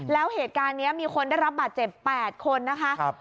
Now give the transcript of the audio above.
แล้วเหตุการณ์นี้มีคนได้รับบาดเจ็บ๘คนนะคะ